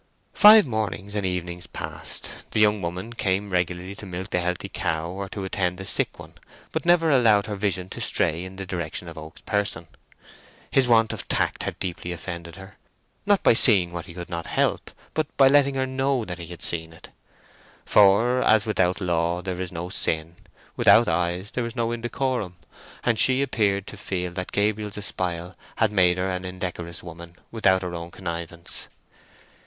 Five mornings and evenings passed. The young woman came regularly to milk the healthy cow or to attend to the sick one, but never allowed her vision to stray in the direction of Oak's person. His want of tact had deeply offended her—not by seeing what he could not help, but by letting her know that he had seen it. For, as without law there is no sin, without eyes there is no indecorum; and she appeared to feel that Gabriel's espial had made her an indecorous woman without her own connivance.